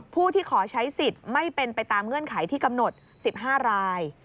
ผู้ที่ขอใช้สิทธิ์ไม่เป็นไปตามเงื่อนไขที่กำหนด๑๕ราย